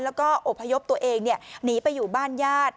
แล้วก็อบพยพตัวเองหนีไปอยู่บ้านญาติ